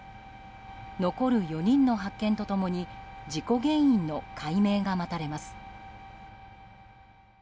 残る４人の発見と共に事故原因の解明が待たれます。